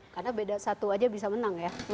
karena beda satu aja bisa menang ya